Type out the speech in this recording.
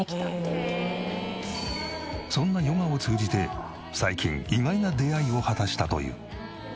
そんなヨガを通じて最近意外な出会いを果たしたという。